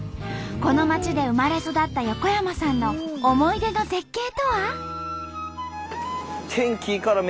この町で生まれ育った横山さんの思い出の絶景とは？